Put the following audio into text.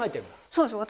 そうですね。